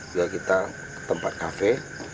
biar kita ke tempat kafe